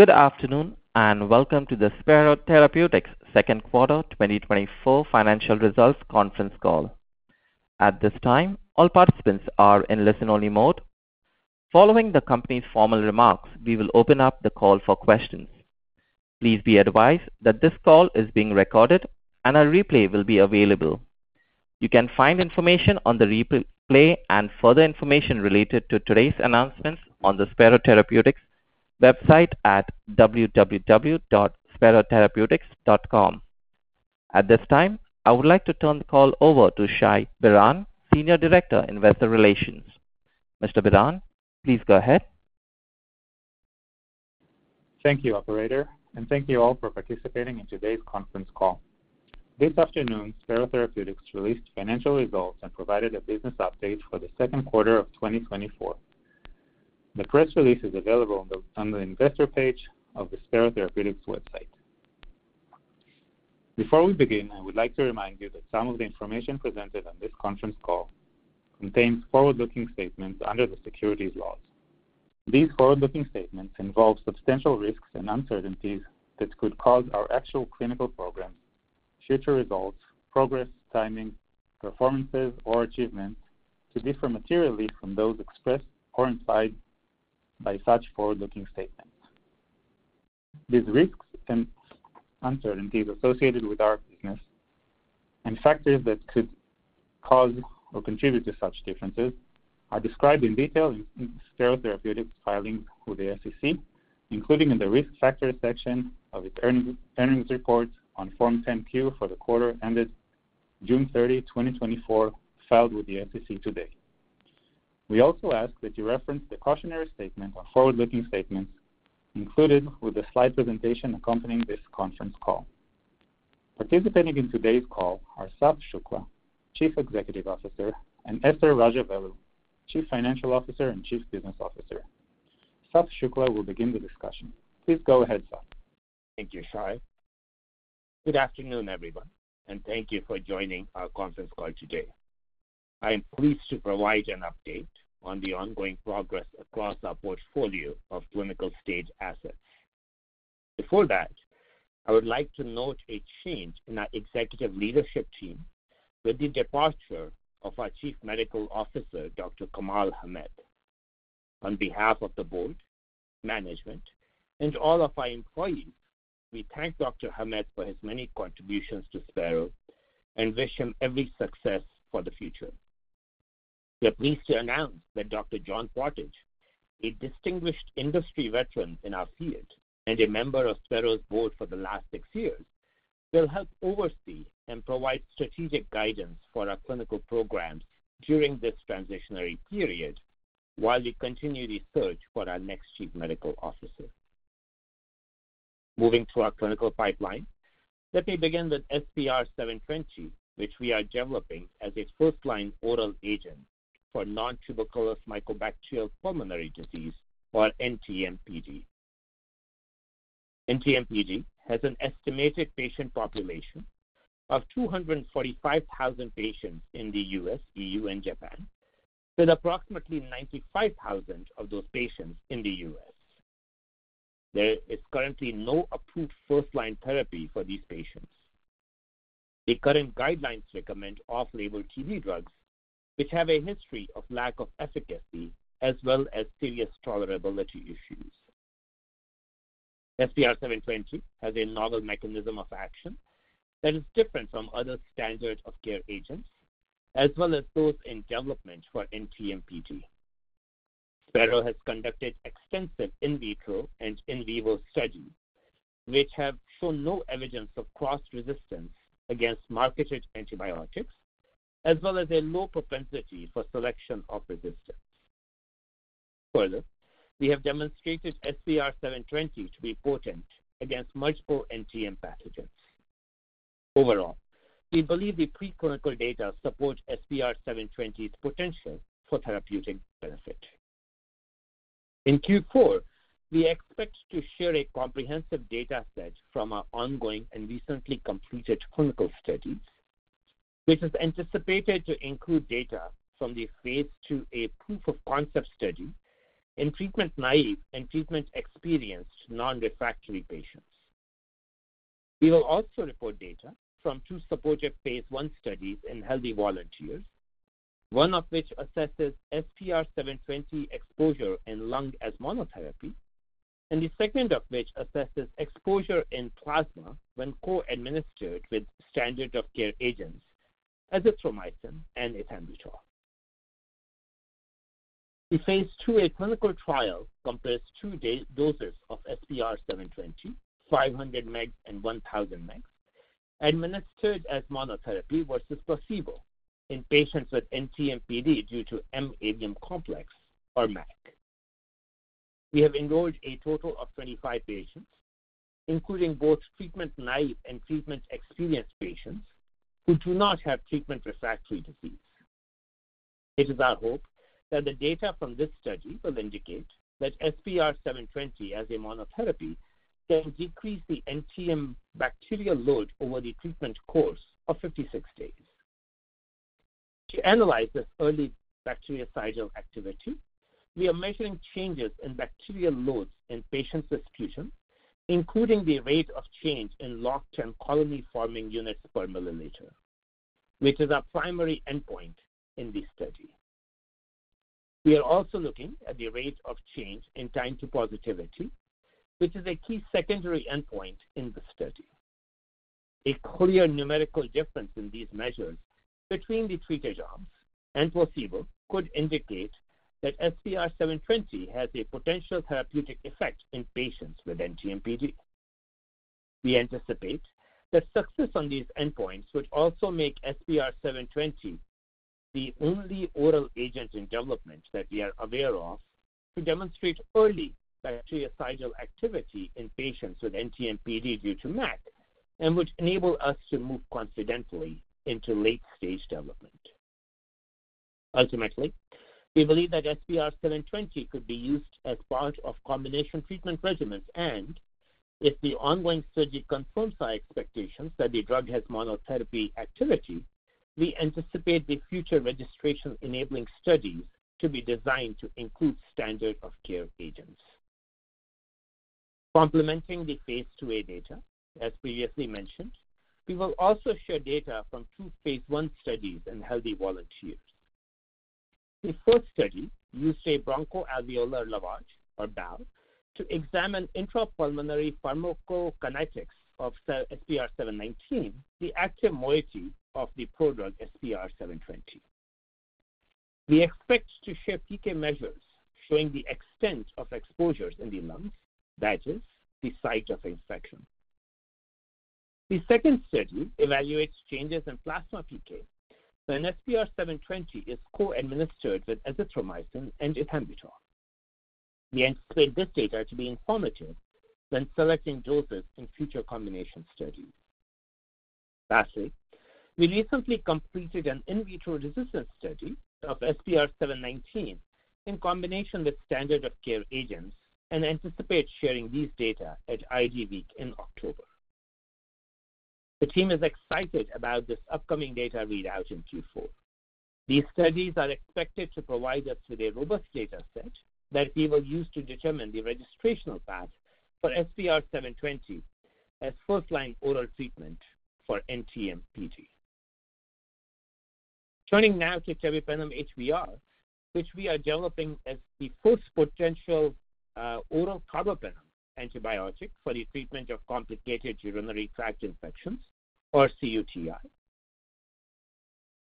Good afternoon, and welcome to the Spero Therapeutics second quarter 2024 financial results conference call. At this time, all participants are in listen-only mode. Following the company's formal remarks, we will open up the call for questions. Please be advised that this call is being recorded and a replay will be available. You can find information on the replay and further information related to today's announcements on the Spero Therapeutics website at www.sperotherapeutics.com. At this time, I would like to turn the call over to Shai Biran, Senior Director, Investor Relations. Mr. Biran, please go ahead. Thank you, Operator, and thank you all for participating in today's conference call. This afternoon, Spero Therapeutics released financial results and provided a business update for the second quarter of 2024. The press release is available on the investor page of the Spero Therapeutics website. Before we begin, I would like to remind you that some of the information presented on this conference call contains forward-looking statements under the securities laws. These forward-looking statements involve substantial risks and uncertainties that could cause our actual clinical programs, future results, progress, timing, performances, or achievements to differ materially from those expressed or implied by such forward-looking statements. These risks and uncertainties associated with our business and factors that could cause or contribute to such differences are described in detail in Spero Therapeutics' filing with the SEC, including in the Risk Factors section of its earnings, earnings report on Form 10-Q for the quarter ended June 30, 2024, filed with the SEC today. We also ask that you reference the cautionary statement on forward-looking statements included with the slide presentation accompanying this conference call. Participating in today's call are Sath Shukla, Chief Executive Officer, and Esther Rajavelu, Chief Financial Officer and Chief Business Officer. Sath Shukla will begin the discussion. Please go ahead, Sat. Thank you, Shai. Good afternoon, everyone, and thank you for joining our conference call today. I am pleased to provide an update on the ongoing progress across our portfolio of clinical-stage assets. Before that, I would like to note a change in our executive leadership team with the departure of our Chief Medical Officer, Dr. Kamal Hamed. On behalf of the board, management, and all of our employees, we thank Dr. Hamed for his many contributions to Spero and wish him every success for the future. We are pleased to announce that Dr. John Pottage, a distinguished industry veteran in our field and a member of Spero's board for the last six years, will help oversee and provide strategic guidance for our clinical programs during this transitional period while we continue the search for our next Chief Medical Officer. Moving to our clinical pipeline, let me begin with SPR720, which we are developing as a first-line oral agent for nontuberculous mycobacterial pulmonary disease, or NTM-PD. NTM-PD has an estimated patient population of 245,000 patients in the US, EU, and Japan, with approximately 95,000 of those patients in the US. There is currently no approved first-line therapy for these patients. The current guidelines recommend off-label TB drugs, which have a history of lack of efficacy as well as serious tolerability issues. SPR720 has a novel mechanism of action that is different from other standards of care agents, as well as those in development for NTM-PD. Spero has conducted extensive in vitro and in vivo studies, which have shown no evidence of cross-resistance against marketed antibiotics, as well as a low propensity for selection of resistance. Further, we have demonstrated SPR720 to be potent against multiple NTM pathogens. Overall, we believe the preclinical data supports SPR720's potential for therapeutic benefit. In Q4, we expect to share a comprehensive data set from our ongoing and recently completed clinical studies, which is anticipated to include data from the Phase 2a proof of concept study in treatment-naïve and treatment-experienced non-refractory patients. We will also report data from two supportive Phase 1 studies in healthy volunteers, one of which assesses SPR720 exposure in lung as monotherapy, and the second of which assesses exposure in plasma when co-administered with standard of care agents, Azithromycin and Ethambutol. The Phase 2a clinical trial compares two daily doses of SPR720, 500 mg and 1,000 mg, administered as monotherapy versus placebo in patients with NTM-PD due to Mycobacterium avium complex, or MAC. We have enrolled a total of 25 patients, including both treatment-naïve and treatment-experienced patients who do not have treatment-refractory disease. It is our hope that the data from this study will indicate that SPR720 as a monotherapy can decrease the NTM bacterial load over the treatment course of 56 days.... To analyze this early bactericidal activity, we are measuring changes in bacterial loads in patients' sputum, including the rate of change in long-term colony-forming units per milliliter, which is our primary endpoint in this study. We are also looking at the rate of change in time to positivity, which is a key secondary endpoint in the study. A clear numerical difference in these measures between the treated arms and placebo could indicate that SPR720 has a potential therapeutic effect in patients with NTM-PD. We anticipate that success on these endpoints would also make SPR720 the only oral agent in development that we are aware of to demonstrate early bactericidal activity in patients with NTM PD due to MAC, and which enable us to move confidently into late-stage development. Ultimately, we believe that SPR720 could be used as part of combination treatment regimens, and if the ongoing study confirms our expectations that the drug has monotherapy activity, we anticipate the future registration-enabling studies to be designed to include standard of care agents. Complementing the phase 2a data, as previously mentioned, we will also share data from 2 phase 1 studies in healthy volunteers. The first study used a bronchoalveolar lavage, or BAL, to examine intrapulmonary pharmacokinetics of SPR719, the active moiety of the prodrug SPR720. We expect to share PK measures showing the extent of exposures in the lungs, that is, the site of infection. The second study evaluates changes in plasma PK, when SPR720 is co-administered with azithromycin and ethambutol. We anticipate this data to be informative when selecting doses in future combination studies. Lastly, we recently completed an in vitro resistance study of SPR719 in combination with standard of care agents, and anticipate sharing these data at IDWeek in October. The team is excited about this upcoming data readout in Q4. These studies are expected to provide us with a robust data set that we will use to determine the registrational path for SPR720 as first-line oral treatment for NTM-PD. Turning now to Tebipenem HBr, which we are developing as the first potential, oral carbapenem antibiotic for the treatment of complicated urinary tract infections, or cUTI.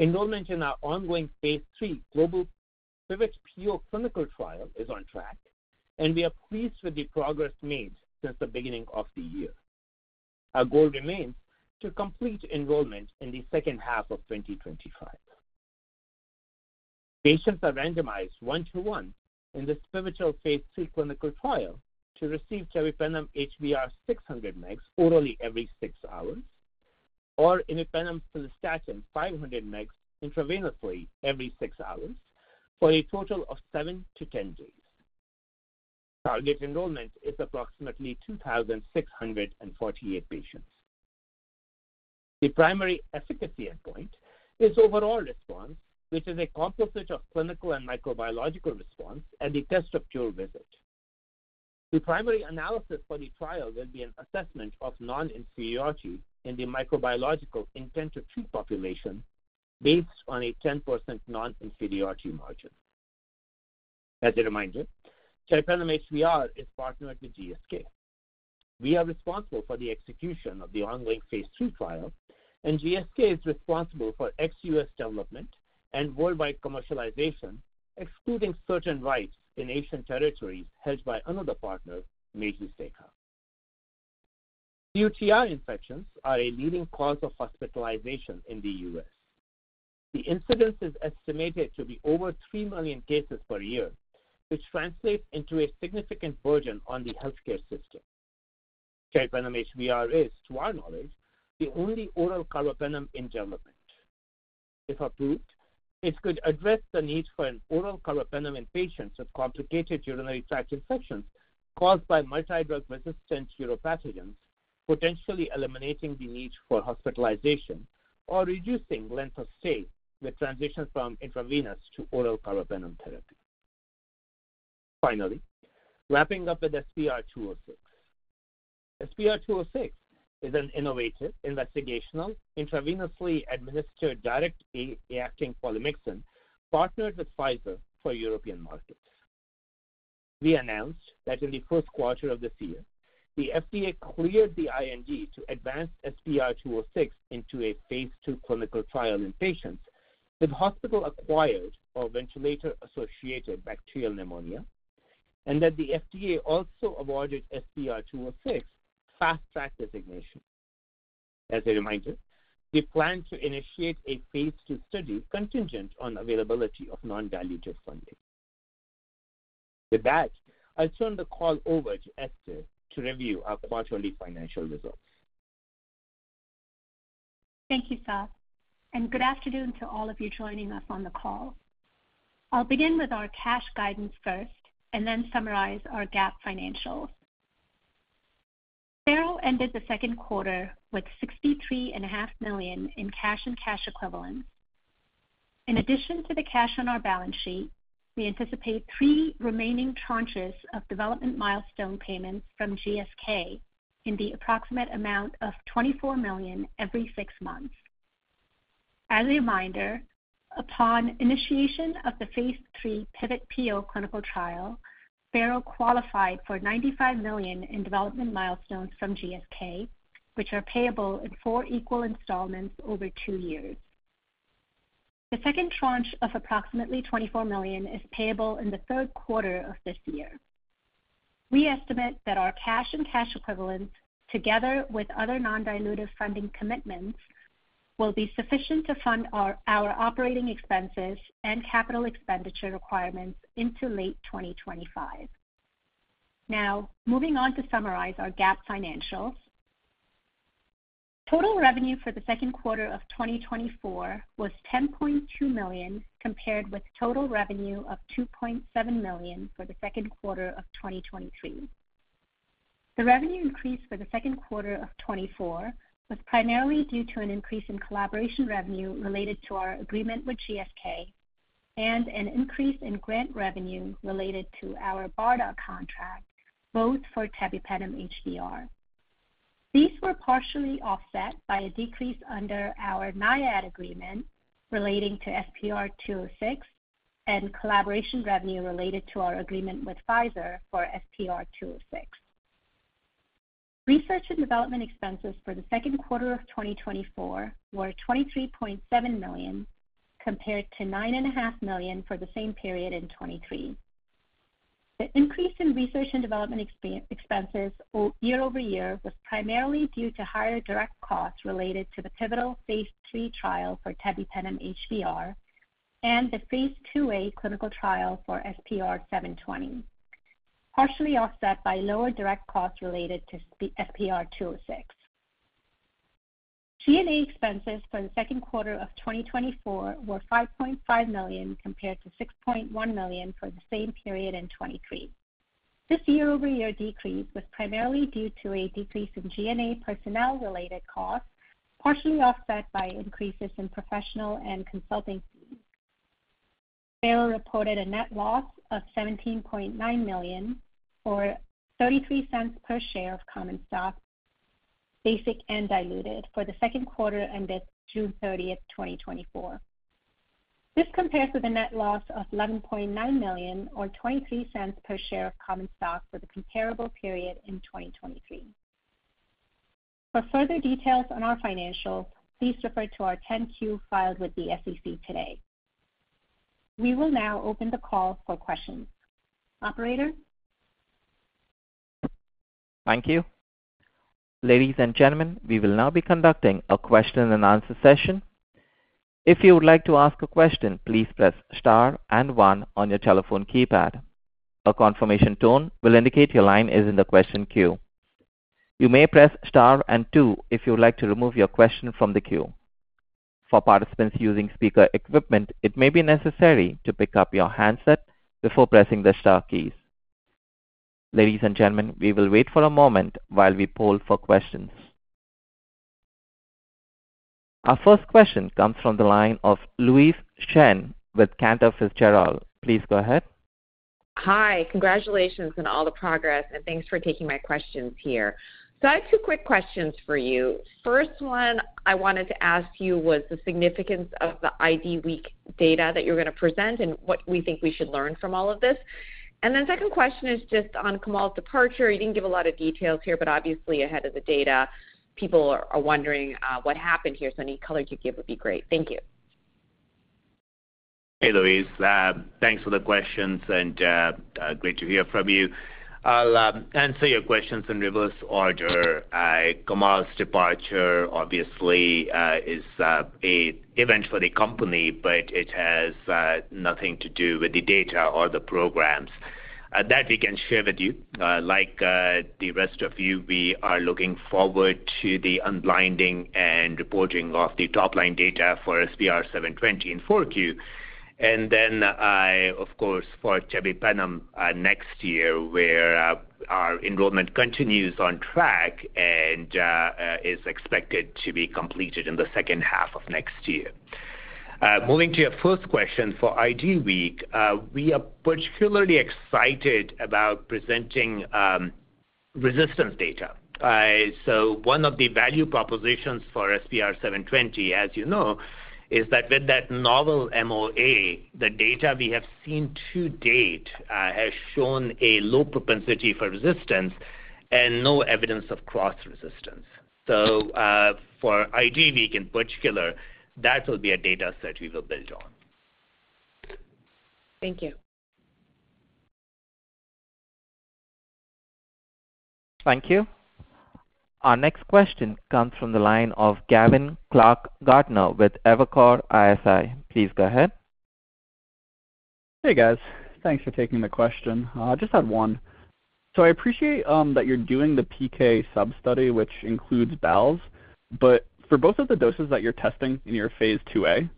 Enrollment in our ongoing phase 3 global PIVOT-PO clinical trial is on track, and we are pleased with the progress made since the beginning of the year. Our goal remains to complete enrollment in the second half of 2025. Patients are randomized 1:1 in this pivotal phase 3 clinical trial to receive Tebipenem HBr 600 mg orally every 6 hours, or Imipenem/Cilastatin 500 mg intravenously every 6 hours, for a total of 7-10 days. Target enrollment is approximately 2,648 patients. The primary efficacy endpoint is overall response, which is a composite of clinical and microbiological response at the test-of-cure visit. The primary analysis for the trial will be an assessment of non-inferiority in the microbiological intent-to-treat population based on a 10% non-inferiority margin. As a reminder, Tebipenem HBr is partnered with GSK. We are responsible for the execution of the ongoing phase 2 trial, and GSK is responsible for ex-U.S. development and worldwide commercialization, excluding certain rights in Asian territories held by another partner, Meiji Seika. cUTI infections are a leading cause of hospitalization in the U.S. The incidence is estimated to be over 3 million cases per year, which translates into a significant burden on the healthcare system. Tebipenem HBr is, to our knowledge, the only oral carbapenem in development. If approved, it could address the need for an oral carbapenem in patients with complicated urinary tract infections caused by multi-drug-resistant uropathogens, potentially eliminating the need for hospitalization or reducing length of stay with transition from intravenous to oral carbapenem therapy. Finally, wrapping up with SPR206. SPR206 is an innovative, investigational, intravenously administered direct-acting polymyxin, partnered with Pfizer for European markets. We announced that in the first quarter of this year, the FDA cleared the IND to advance SPR206 into a phase 2 clinical trial in patients with hospital-acquired or ventilator-associated bacterial pneumonia, and that the FDA also awarded SPR206 Fast Track designation. As a reminder, we plan to initiate a phase 2 study contingent on availability of non-dilutive funding. With that, I'll turn the call over to Esther to review our quarterly financial results. Thank you, Sat, and good afternoon to all of you joining us on the call. I'll begin with our cash guidance first, and then summarize our GAAP financials. Spero ended the second quarter with $63.5 million in cash and cash equivalents. In addition to the cash on our balance sheet, we anticipate three remaining tranches of development milestone payments from GSK in the approximate amount of $24 million every six months. As a reminder, upon initiation of the phase 3 PIVOT-PO clinical trial, Spero qualified for $95 million in development milestones from GSK, which are payable in four equal installments over two years. The second tranche of approximately $24 million is payable in the third quarter of this year. We estimate that our cash and cash equivalents, together with other non-dilutive funding commitments, will be sufficient to fund our operating expenses and capital expenditure requirements into late 2025. Now, moving on to summarize our GAAP financials. Total revenue for the second quarter of 2024 was $10.2 million, compared with total revenue of $2.7 million for the second quarter of 2023. The revenue increase for the second quarter of 2024 was primarily due to an increase in collaboration revenue related to our agreement with GSK and an increase in grant revenue related to our BARDA contract, both for Tebipenem HBr. These were partially offset by a decrease under our NIAID agreement relating to SPR206, and collaboration revenue related to our agreement with Pfizer for SPR206. Research and development expenses for the second quarter of 2024 were $23.7 million, compared to $9.5 million for the same period in 2023. The increase in research and development expenses year-over-year was primarily due to higher direct costs related to the pivotal phase 3 trial for Tebipenem HBr and the phase 2a clinical trial for SPR720, partially offset by lower direct costs related to SPR206. G&A expenses for the second quarter of 2024 were $5.5 million, compared to $6.1 million for the same period in 2023. This year-over-year decrease was primarily due to a decrease in G&A personnel-related costs, partially offset by increases in professional and consulting fees. Spero reported a net loss of $17.9 million, or $0.33 per share of common stock, basic and diluted for the second quarter ended June 30, 2024. This compares with a net loss of $11.9 million, or $0.23 per share of common stock for the comparable period in 2023. For further details on our financials, please refer to our 10-Q filed with the SEC today. We will now open the call for questions. Operator? Thank you. Ladies and gentlemen, we will now be conducting a question and answer session. If you would like to ask a question, please press Star and one on your telephone keypad. A confirmation tone will indicate your line is in the question queue. You may press Star and two if you would like to remove your question from the queue. For participants using speaker equipment, it may be necessary to pick up your handset before pressing the star keys. Ladies and gentlemen, we will wait for a moment while we poll for questions. Our first question comes from the line of Louise Chen with Cantor Fitzgerald. Please go ahead. Hi. Congratulations on all the progress, and thanks for taking my questions here. So I have two quick questions for you. First one I wanted to ask you was the significance of the IDWeek data that you're going to present and what we think we should learn from all of this. And then second question is just on Kamal's departure. You didn't give a lot of details here, but obviously ahead of the data, people are wondering what happened here. So any color you give would be great. Thank you. Hey, Louise. Thanks for the questions and great to hear from you. I'll answer your questions in reverse order. Kamal's departure obviously is an event for the company, but it has nothing to do with the data or the programs that we can share with you. Like the rest of you, we are looking forward to the unblinding and reporting of the top-line data for SPR720 in 4Q. And then, of course, for Tebipenem, next year, where our enrollment continues on track and is expected to be completed in the second half of next year. Moving to your first question for IDWeek, we are particularly excited about presenting resistance data. So, one of the value propositions for SPR720, as you know, is that with that novel MOA, the data we have seen to date has shown a low propensity for resistance and no evidence of cross resistance. So, for IDWeek in particular, that will be a data set we will build on. Thank you. Thank you. Our next question comes from the line of Gavin Clark-Gartner with Evercore ISI. Please go ahead. Hey, guys. Thanks for taking the question. Just had one. So I appreciate that you're doing the PK sub-study, which includes BALs. But for both of the doses that you're testing in your phase 2a,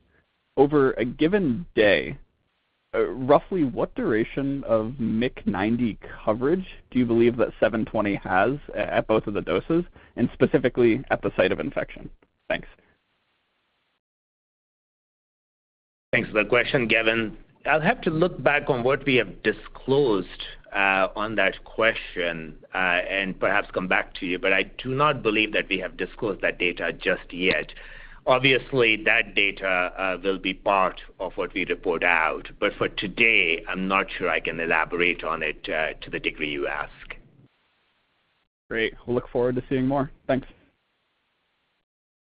over a given day- ... Roughly what duration of MIC90 coverage do you believe that 720 has at both of the doses, and specifically at the site of infection? Thanks. Thanks for the question, Gavin. I'll have to look back on what we have disclosed on that question and perhaps come back to you, but I do not believe that we have disclosed that data just yet. Obviously, that data will be part of what we report out, but for today, I'm not sure I can elaborate on it to the degree you ask. Great! We look forward to seeing more. Thanks.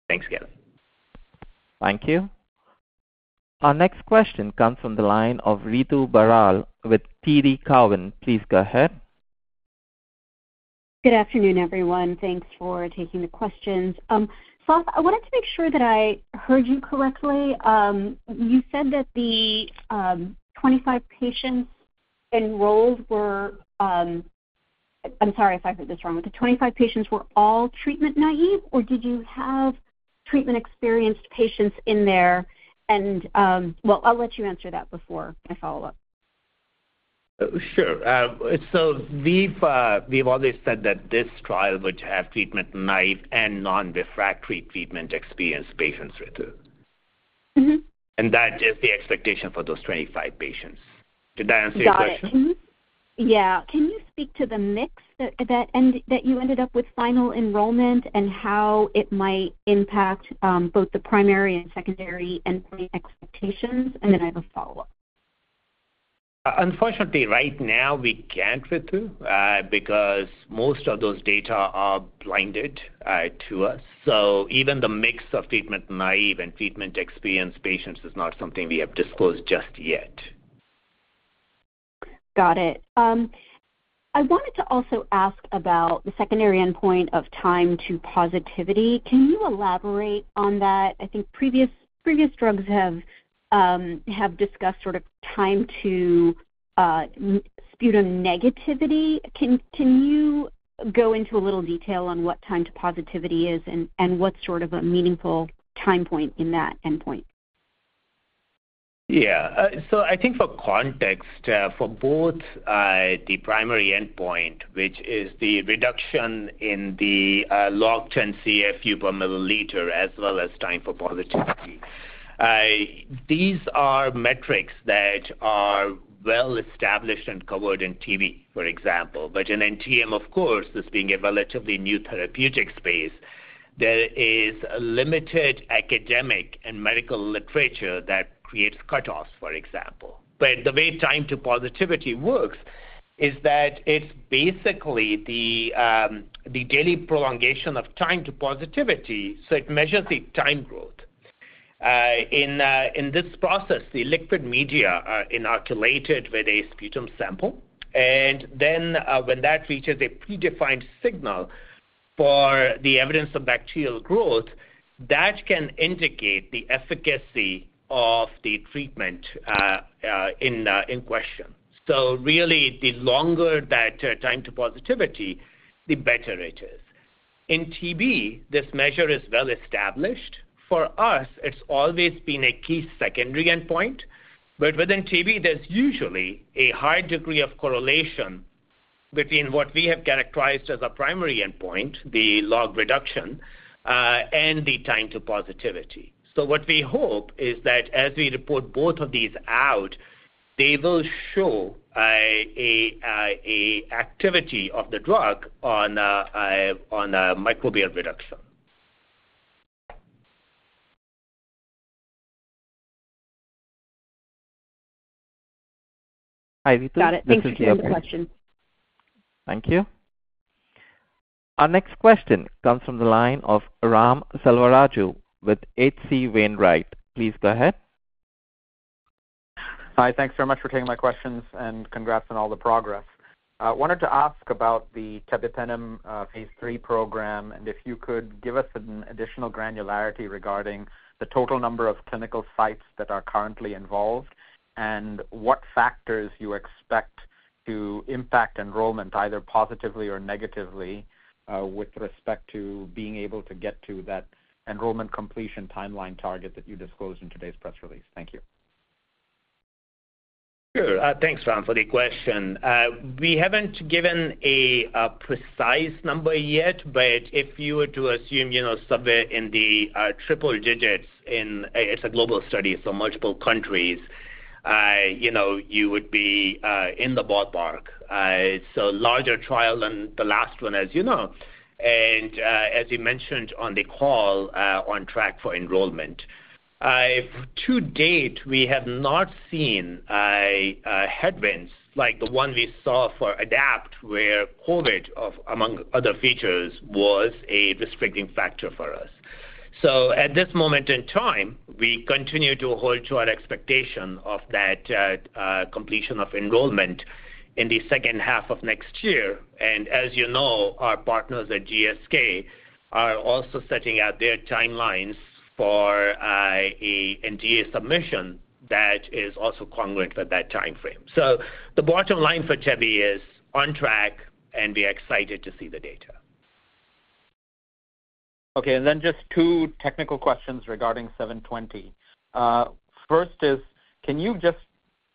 Thanks, Gavin. Thank you. Our next question comes from the line of Ritu Baral with TD Cowen. Please go ahead. Good afternoon, everyone. Thanks for taking the questions. Saswato, I wanted to make sure that I heard you correctly. You said that the 25 patients enrolled were... I'm sorry if I heard this wrong. But the 25 patients were all treatment naive, or did you have treatment-experienced patients in there? And, well, I'll let you answer that before I follow up. Sure. So we've always said that this trial would have treatment naive and non-refractory treatment experienced patients with it. Mm-hmm. That is the expectation for those 25 patients. Did that answer your question? Got it. Mm-hmm. Yeah. Can you speak to the mix that you ended up with final enrollment and how it might impact both the primary and secondary endpoint expectations? And then I have a follow-up. Unfortunately, right now, we can't, Ritu, because most of those data are blinded to us. So even the mix of treatment-naive and treatment-experienced patients is not something we have disclosed just yet. Got it. I wanted to also ask about the secondary endpoint of time to positivity. Can you elaborate on that? I think previous drugs have discussed sort of time to sputum negativity. Can you go into a little detail on what time to positivity is and what sort of a meaningful time point in that endpoint? Yeah, so I think for context, for both, the primary endpoint, which is the reduction in the, log 10 CFU per milliliter, as well as time for positivity, these are metrics that are well established and covered in TB, for example. But in NTM, of course, as being a relatively new therapeutic space, there is limited academic and medical literature that creates cutoffs, for example. But the way time to positivity works is that it's basically the, the daily prolongation of time to positivity, so it measures the time growth. In this process, the liquid media are inoculated with a sputum sample, and then, when that reaches a predefined signal for the evidence of bacterial growth, that can indicate the efficacy of the treatment, in question. So really, the longer that time to positivity, the better it is. In TB, this measure is well established. For us, it's always been a key secondary endpoint, but within TB, there's usually a high degree of correlation between what we have characterized as a primary endpoint, the log reduction, and the time to positivity. So what we hope is that as we report both of these out, they will show a activity of the drug on a microbial reduction. Hi, Ritu. Got it. This is Gavin. Thanks for taking the question. Thank you. Our next question comes from the line of Ram Selvaraju with H.C. Wainwright. Please go ahead. Hi, thanks so much for taking my questions, and congrats on all the progress. Wanted to ask about the Tebipenem HBr, phase 3 program, and if you could give us an additional granularity regarding the total number of clinical sites that are currently involved, and what factors you expect to impact enrollment, either positively or negatively, with respect to being able to get to that enrollment completion timeline target that you disclosed in today's press release. Thank you. Sure. Thanks, Ram, for the question. We haven't given a precise number yet, but if you were to assume, you know, somewhere in the triple digits in... It's a global study, so multiple countries, you know, you would be in the ballpark. It's a larger trial than the last one, as you know, and, as you mentioned on the call, on track for enrollment. To date, we have not seen headwinds like the one we saw for ADAPT, where COVID, among other features, was a restricting factor for us. So at this moment in time, we continue to hold to our expectation of that completion of enrollment in the second half of next year. As you know, our partners at GSK are also setting out their timelines for an NDA submission that is also congruent with that timeframe. The bottom line for Tebi is on track, and we are excited to see the data. ... Okay, and then just two technical questions regarding 720. First is, can you just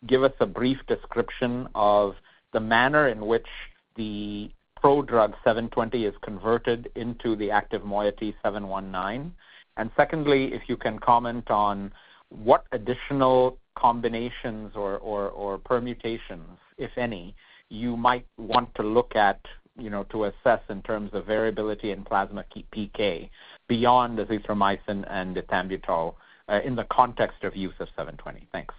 give us a brief description of the manner in which the pro-drug 720 is converted into the active moiety 719? And secondly, if you can comment on what additional combinations or permutations, if any, you might want to look at, you know, to assess in terms of variability in plasma PK beyond azithromycin and ethambutol, in the context of use of 720. Thanks.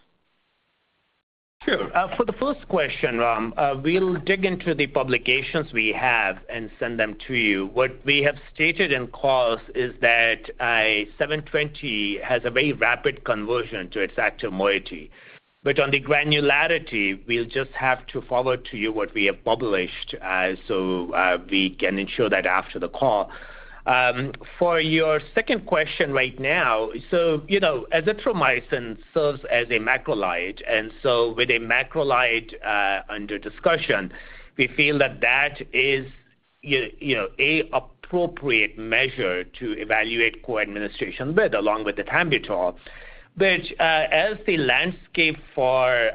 Sure. For the first question, Ram, we'll dig into the publications we have and send them to you. What we have stated in calls is that, 720 has a very rapid conversion to its active moiety. But on the granularity, we'll just have to forward to you what we have published, we can ensure that after the call. For your second question right now, you know, azithromycin serves as a macrolide, and so with a macrolide, under discussion, we feel that that is, you know, a appropriate measure to evaluate co-administration with, along with the 720. Which, as the landscape for,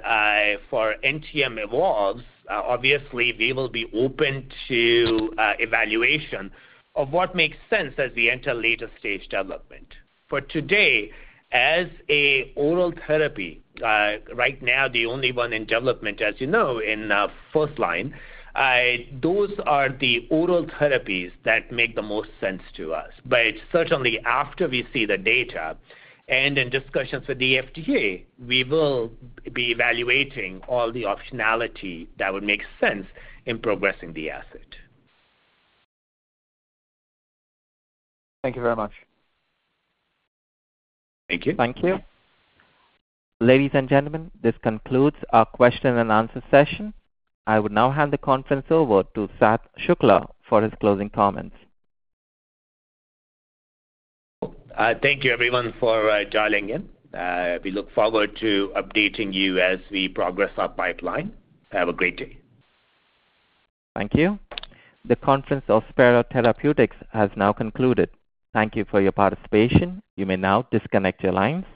for NTM evolves, obviously, we will be open to, evaluation of what makes sense as we enter later stage development. For today, as an oral therapy, right now, the only one in development, as you know, in first line, those are the oral therapies that make the most sense to us. But certainly after we see the data and in discussions with the FDA, we will be evaluating all the optionality that would make sense in progressing the asset. Thank you very much. Thank you. Thank you. Ladies and gentlemen, this concludes our question and answer session. I would now hand the conference over to Sath Shukla for his closing comments. Thank you everyone for joining in. We look forward to updating you as we progress our pipeline. Have a great day. Thank you. The conference of Spero Therapeutics has now concluded. Thank you for your participation. You may now disconnect your line.